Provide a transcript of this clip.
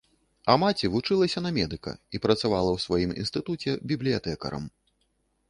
А маці вучылася на медыка і працавала ў сваім інстытуце бібліятэкарам.